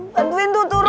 bantuin tuh turun tuh